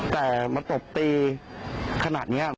แต่มาตบตีขนาดนี้